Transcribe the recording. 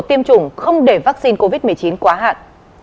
tiêm chủng không để vaccine covid một mươi chín quá hạn